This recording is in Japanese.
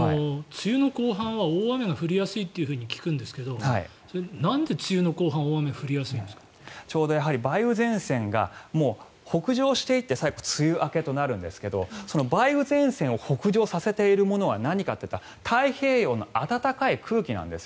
梅雨の後半は大雨が降りやすいと聞くんですがなんで、梅雨の後半は梅雨前線が北上していって最後梅雨明けとなるんですけど梅雨前線を北上させているものは何かというと太平洋の暖かい空気なんです。